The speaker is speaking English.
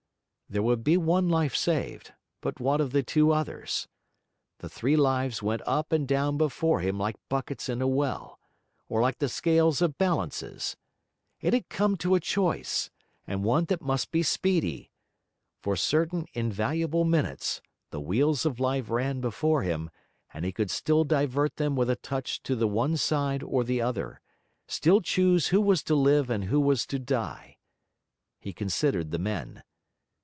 There would be one life saved; but what of the two others? The three lives went up and down before him like buckets in a well, or like the scales of balances. It had come to a choice, and one that must be speedy. For certain invaluable minutes, the wheels of life ran before him, and he could still divert them with a touch to the one side or the other, still choose who was to live and who was to die. He considered the men.